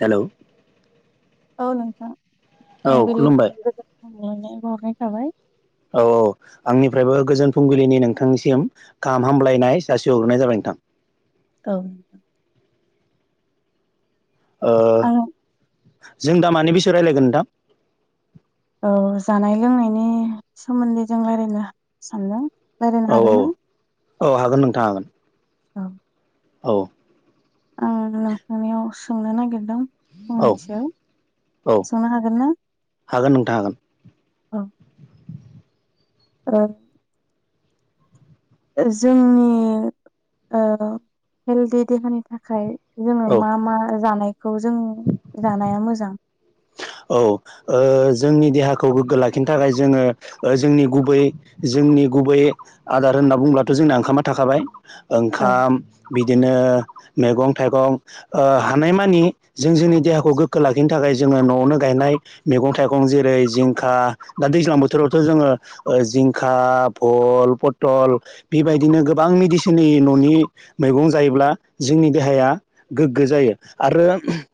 Hello औ नोंथां औ फुंबिलिनि खुलुमबाय। [inaudible] औ औ आंनिफ्रायबो गोजोन फुंबिलिनि नोंथांनिसिम गाहाम हामलायनाय जासि हरग्रोनाय जाबाय। [inaudible] औ आं जों दा मानि बिसि रायज्लायगोन नोंथां? औ जानाय लोंनायनि सोमोन्दै जों रायज्लायनो सानदों। बेरायनो औ हागोन ना? औ औ हागोन नोंथां हागोन। औ औ आं नोंथांनियाव सोंनो नागिरदों। औ फंनैसो औ सोंनो हागोन ना? हागोन हागोन। औ [inaudible] जोंनि ओ हेल्दि देहानि थाखाय जोङो औ मा मा जानायखौ जों जानाया मोजां औ ओ जोंनि देहाखौ गोग्गो लाखिनो थाखाय जोङो ओ जोंनि गुबै जों नि गुबै आदार होनना बुंब्लाथ' जोंना ओंखामा थाखाबाय औ ओंखाम बिदिनो मेगं- थाइगं ओ हानायमानि जों जोंनि देहाखौ गोग्गो लाखिनो थाखाय जोङो न'आवनो गायनाय मेगं -थाइगं जेरै जिंखा दा दैज्लां बोथोरावथ' जोङो ओ जिंखा भल पतल बेबायदिनो गोबां मेडिसिननि न'नि मैगं जायोब्ला जोंनि देहाया गोग्गो जायो आरो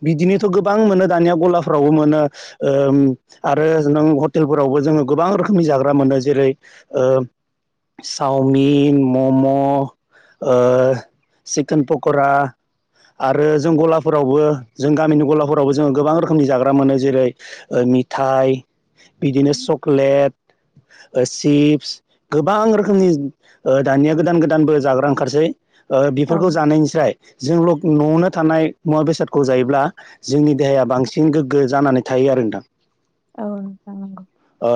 बिदिनोथ' गोबां मोनो दानिया गलाफ्रावबो मो नो ओ आरो नों हटेलफोरावबो जोङो गोबां रोखोमनि जाग्रा मोनो जेरै ओ चावमिन मम' ओ चिकेन पक'रा आरो जों गलाफोरावबो जों गामिनि गलाफोरावबो जोङो गोबां रोखोमनि जाग्रा मोनो जेरै मिथाय बिदिनो चक्लेट ओ सिप्स गोबां रोखोमनि ओ दानिया -गोदान गोदानबो जाग्रा ओंखारसै। ओ। औ बेफोरखौ जानायनिफ्रायाय जों लक न'आवनो थानाय मुवा बेसादखौ जायोब्ला जोंनि देहाया बांसिन गोग्गो जानानै थायो आरो नोंथां। औ जानांगौ। ओ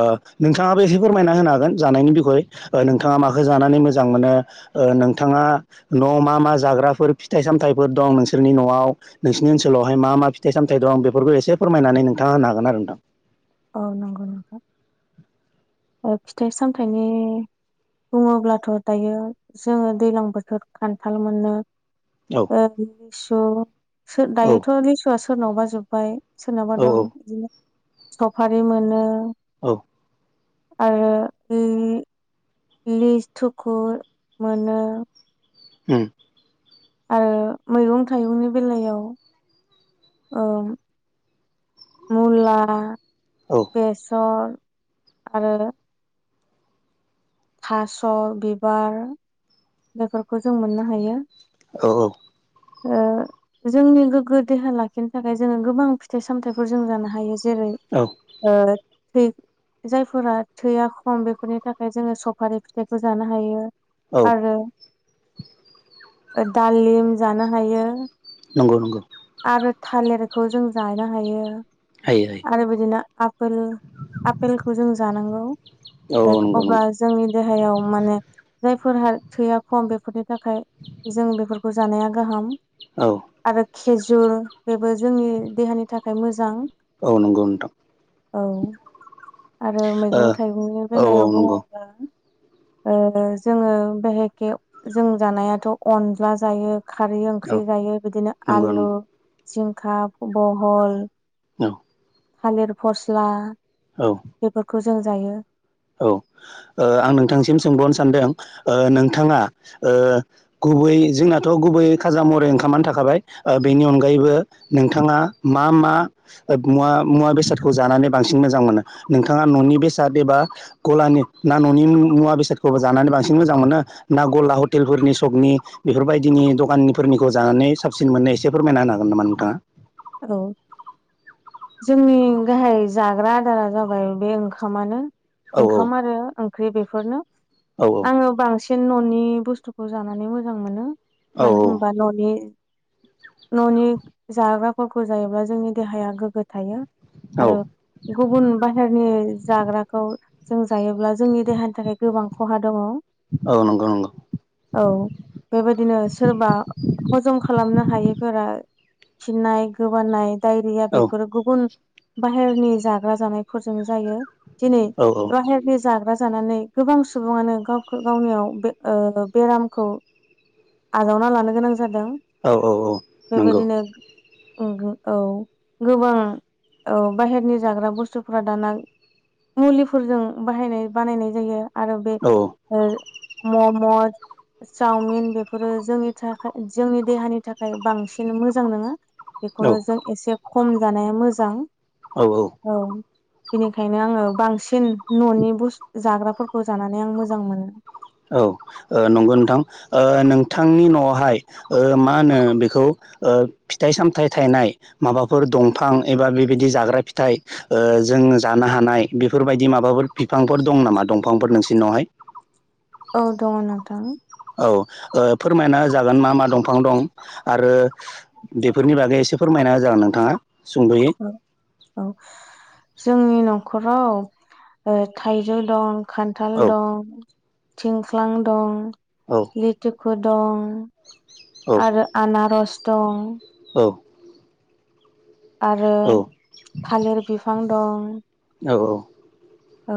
नोंथाङाबो एसे फोरमायना होनो हागोन जानायनि बिखय ओ नोंथाङा माखौ जानानै मोजां मोनो ओ नोंथाङा न'आव मा मा जाग्राफोर फिथाइ सामथायफोर दं नोंसोरनि न'आव नोंसोरनि ओनसोलावहाय मा मा फिथाइ साम सामथाय दं बेफोरखौ एसे फोरमायनानै नोंथाङा होनो हागोन आरो नोंथां। औ नंगौ -नंगौ ओ फिथाइ -सामथाइनि बुङोब्लाथ' दायो जोङो दैलां बोथोर खान्थाल मोनो ओ लिसु औ दायोथ' लिसुआ सोरनावबा जोब्बाय। सोरनावबा औ दं इदिनो सफारि मोनो औ आरो इ लिथुखो मोनो। उम आरो मैगं थाइगंनि बेलायाव ओ मुला औ बेसर आरो थास' बिबार बेफोरखौ जों मोननो हायो। औ -औ ओ जोंनि गोग्गो देहा लाखिनो थाखाय जोङो गोबां फिथाइ सामथाइफोर जों जानो हायो। जेरै औ ओ थै जायफोरा थैया खम बेफोरनि थाखाय जोङो सफारि फिथाइखौ जानो हायो। औ आरो दालिम जानो हायो। नंगौ नंगौ। आरो थालिरखौ जों जानो हायो हायो हायो आरो बिदिनो आपोल आपेलखौ जों जानांगौ। औ ओ नंगौ अब्ला नंगौ जोंनि देहायाव माने जायफोरहा थैया खम बेफोरनि थाखाय जों बेफोरखौ जानाया गाहाम। औ आरो खेजुर बेबो जोंनि देहानि थाखाय मोजां। औ नंगौ नोंथां औ आरो मैगं थाइगंनि ओ औ औ बेलायाव नंगौ बुङोबा ओ जोङो बेहेखे जों जानायाथ' अनला जायो। खारै औ ओंख्रि जायो बिदिनो नंगौ आलु जिंखा बहल औ थालिर फस्ला औ बेफोरखौ जों जायो। औ ओ नोंथांसिम सोंबावनो सानदों ओ नोंथाङा ओ गथ गुबै जोंनाथ' गुबै खाजा मरै ओंखामानो थाखाबाय ओ बेनि अनगायैबो नोंथाङा मा? मा मुवा मुवा बेसादखौ जानानै बांसिन मोजां मोनो नोंथाङा न'नि बेसाद एबा गलानि ना न'नि मुवा बेसादखौबो जानानै बांसिन मोजां मोनो ना गला हटेलफोरनि सकनि बेफोरबायदिनि दखाननिखौ जानानै साबसिन मोननाय एसे फोरमायना होनो हागोन नामा नोंथाङा? औ जोंनि गाहाय जाग्रा आदारा जाबाय बे ओंखामानो। औ ओंखाम आरो ओंख्रि बेफोरनो औ आङो बांसिन सिन न'नि बुस्थुखौ जानानै मोजां मोनो औ मानो होमबा न'नि न'नि जाग्राफोरखौ जायोब्ला जोंनि देहाया गोग्गो थायो। औ आरो गुबुन बाहेरनि जाग्राखौ जों जायोब्ला जोंनि देहानि थाखाय गोबां खहा दङ औ नंगौ नंगौ औ बेबायदिनो सोरबा हजम खालामनो हायिफोरा फिन्नाय गोबानाय डायरिया औ बेफोर गुबुन बाहेरनि जाग्रा जानायफोरजों जायो दिनै औ बाहेरनि जाग्रा जानानै गोबां सुबुङानो गावखौ गावनियाव बेरामखौ आजावना लानो गोनां जादों औ औ औ नंगौ बेबायदिनो औ गोबां औ बाहेरनि जाग्रा बुस्थुफोरा दाना मुलिफोरजों बाहायनाय बानायनाय जायो आरो बे औ मम'ज चावमिन बेफोरो जोंनि थाखाय जोंनि देहानि थाखाय बांसिन मोजां नङा। औ बेखौनो जों एसे खम जानाया मोजां औ औ बिनिखायनो आङो बांसिन न'नि ब जाग्राफोरखौ जानानै आं मोजां मोनो। औ नंगौ नोंथां नोंथांनि न'आवहाय मा होनो बेखौ फिथाइ सामथाइ थायनाय माबाफोर दंफां एबा बेबायदि जाग्रा फिथाइ जों जानो हानाय बेफोरबायदि माबाफोर बिफांफोर दं नामा दंफांफोर नोंसोरनावहाय औ दङ नोंथां। औ फोरमायना जागोन मा मा दंफां दं आरो बेफोरनि बागै एसे फोरमायना नाय जागोन नोंथाङा सुंद'यै औ औ जोंनि न'खराव थाइजौ दं खान्थाल औ दं। थिंख्लां दं औ औ लिथिखु दं। औ आरो आनारस दं औ। आरो औ थालिर बिफां दं औ औ।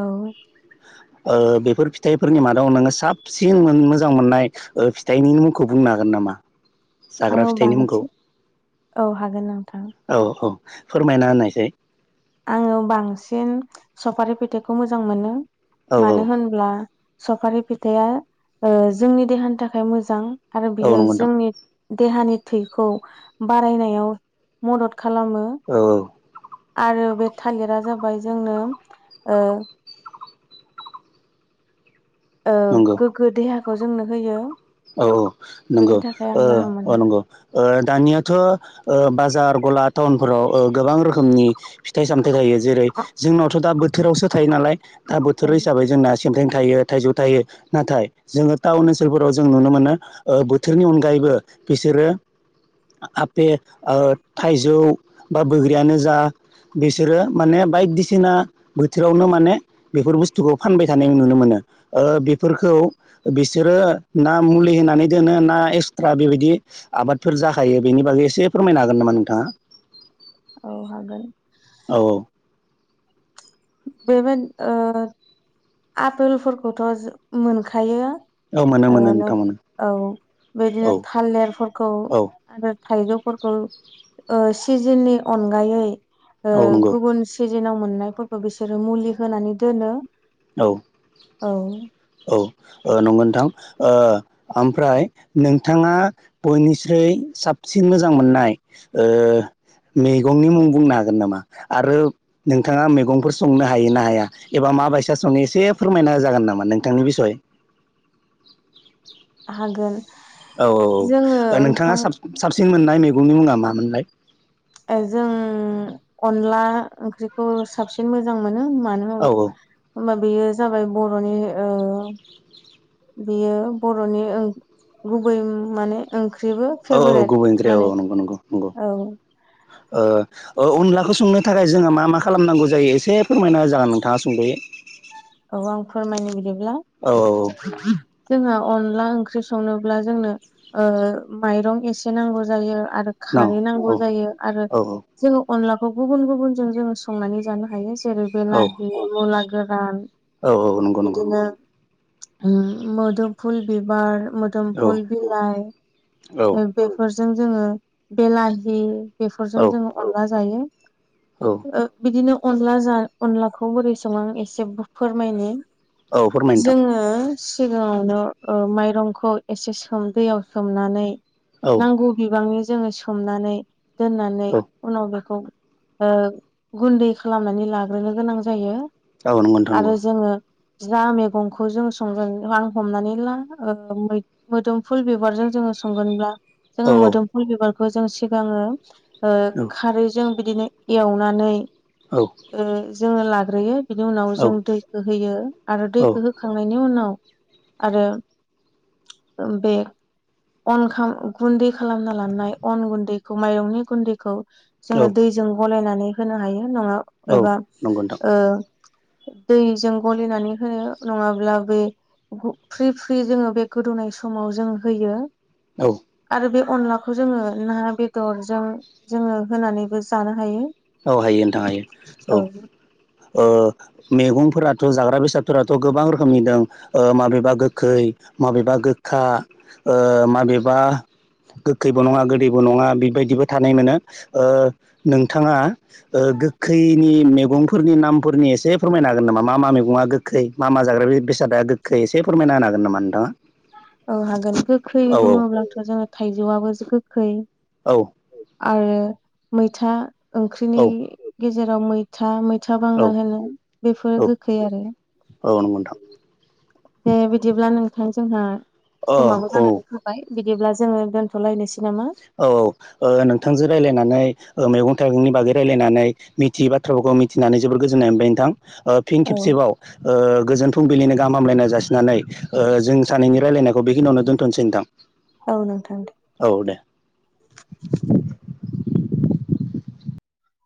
ओ बेफोर फिथाइफोरनि मादाव नोङो साबसिन मोजां मोननाय फिथाइनि मुंखौ बुंनानै हागोन नामा जाग्रा आङो फिथाइनि मुंखौ बांसिन औ हागोन नोंथां औ औ फोरमायना होननायसाय। आङो बांसिन सफारि फेथाइखौ मोजां मोनो औ औ मानो होनब्ला। सफारि फिथाइा जोंनि देहानि थाखाय मोजां आरो औ बियो नंगौ नोंथां जोंनि। देहानि थैखौ बारायनायाव मदद खालामो। औ आरो बे थालिरा जाबाय जोंनो। ओ नंगौ गोग्गो देहाखौ जोंनो होयो। औ औ बेनि नंगौ थाखाय आं गाहाम औ मोनो नंगौ दानियाथ' ओ बाजार। गला टाउनफोराव गोबां रोखोमनि फिथाइ सामथायाइ थायो जेरै औ जोंनावथ' दा। बोथोरावसो थायो नालाय दा बोथोर हिसाबै जोंना। थेंथें थायो थाइजौ थायो नाथाय जोङो टाउन ओनसोलफोराव। जों नुनो मोनो बोथोरनि अनगायैबो बिसोरो। आपेल थाइजौ बा बग्रिायानो जा। बिसोरो माने बायदिसिना बोथोरावनो माने बेफोर बुस्थुखौ फानबाय थानाय नुनो मोनो। बेफोरखौ बिसोरो। ना मुलि होनानै दोनो ना एक्सट्रा बेबायदि आबादफोर जाखायो बेनि बागै एसे फोरमायनो हागोन नामा। बा नोंथां। औ होगोन। औ बेबादि आपेलफोरखौथ' मोनखायो। मोनो औ मोनो नोंथां नोंगौ मोनो औ बिदिनो औ थालेरफोरखौ औ आरो। थाइजौफोरखौ सिजेननि अनगायै औ नंगौ गुबुन सि। जेनाव मोननायफोरखौ बिसोरो मुलि होनानै दोनो। औ। औ। औ नंगौ नोंथां ओ ओमफ्राय नोंथाङा बयनिख्रुइ। साबसिन मोजां मोननाय ओ। मैगंनि मुं बुंनो हागोन नामा आरो नोंथाङा मैगंफोर संनो हायो ना हाया एबा। माबायसा संनाय एसे फोरमायना जागोन नामा नोंथांनि बिसय। हागोन। औ औ जोङो औ नोंथाङा ओंखाम साबसिन मोननाय मैगंनि मुङा मामोनलाय। ए जों अनला ओंख्रिखौ साबसिन मोजां मोनो। मानो औ औ होमबा बेयो जाबाय बर'नि। बियो बर'नि गुबै माने ओंख्रि। ओंख्रिबो औ औ फेभारेट गुबै ओंख्रि औ माने औ नंगौ नंगौ नंगौ औ। अनलाखौ संनो थाखाय जोंहा मा मा खालामनांगौ जायो एसे फोरमायना होजागोन नोंथाङा सुंदोबै। औ आं फोरमायनो बिदिब्ला। औ जोंहा अनला ओंख्रि संनोब्ला जोंनो ओ माइरं एसे नांगौ जायो। आरो न खारै औ नांगौ जायो आरो औ जों। अनलाखौ गुबुन गुबुनजों जोङो संनानै जानो हायो जेरै औ बेलाहि मुला गोरान। औ औ नंगौ नंगौ। मुदुफुल बिबार औ मुदुफुल बिलाय। औ बेफोरजों जोङो बेलाहि बेफोरजों औ जोङो अनला जायो। औ ओ‌ बिदिनो। अनला जा अनलाखौ बोरै सङो एसे फोरमायनि औ फोरमाय नोंथां जोङो। सिगाङावनो ओ माइरंखौ एसे सोम दैयाव सोमनानै। औ नांगौ बिबांनि जोङो सोमनानै दोननानै औ उनाव बेखौ ओ गुन्दै खालामनानै लाग्रोनो गोनां जायो। औ नंगौ नोंथां आरो नंगौ। जोङो जा मैगंखौ जोङो संगोन रांं हमनानै ला मोदोमफुल बिबारजों जोङो संगोनब्ला औ जोङो मोदोमफुल बिबारखौ जों सिगाङो ओ औ खारैजों बिदिनो एवनानै ओ जोङो लाग्रोयो। बिनि उनाव औ जों दैखौ होयो आरो दैखौ होखांनायनि उनाव आरो ओ बे अनखा गुन्दै खालामना लानाय अन गुन्दैखौ माइरंनि गुन्दैखौ। औ जोङो दैजों गलायनानै होनो हायो नङा औ एबा नंगौ नोंथां ओ दैजों गलिनानै होनो नङाब्ला बै फ्रि फ्रि जोङो बे गोदौनाय समाव जों होयो। औ। आरो बे अनलाखौ जोङो ना बेदरजों जोङो होनानैबो जानो हायो। औ हायो नोंथां हायो औ ओ मैगंफोराथ' जाग्रा बेसाद फोराथ' गोबां रोखोमनि दं ओ माबेबा गोखै माबेबा गोखा ओ माब बेबा गोखैबो नङा गोदैबो नङा बेबायदिबो थानाय मोनो ओ नोंथाङा ओ गोखैनि मेगंफोरनि नामफोरनि एसे फोरमायनो हागोन नामा मा मा मेगङा गोखै मा मा जाग्रा बेसादा गोखै एसे फोरमायना होनो हागोन नामा नोंथाङा? औ हागोन गोखै औ बुङोब्लाथ' जोङो थाइजौआबोसो गोखै औ आरो मैथा ओंख्रिनि औ गेजेराव मैथा मै था बांगाल होनो औ बेफोरो गोखै आरो औ नोंगौ नोंथां दे बिदिब्ला नोंथां जोंहा अ समाबो औ जानानै थाबाय बिदिब्ला जोङो दोनथ'लायनोसै नामा? औ ओ नोंथांजों लारायनाननै ओ मेगं गंनि बागै रायजलायनानै मिथियै बाथ्राफोरखौ मिथिनानै जोबोर गोजोन्नाय मोनबाय नोंथां। ओ फिन औ खेबसेबाव ओ गोजोन फुंबिलिनिनो गाहाम हामलायनाय जासिनानै ओ जों सानैनि रायलायनायखौ बेखिनियावनो दोनथ'नोसै दां औ नोंथां दे